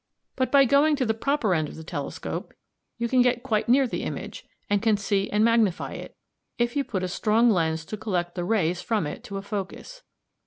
"But by going to the proper end of the telescope you can get quite near the image, and can see and magnify it, if you put a strong lens to collect the rays from it to a focus.